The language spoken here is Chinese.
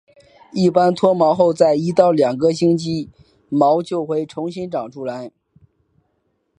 一般脱毛后在一到两个星期毛就回重新长出来。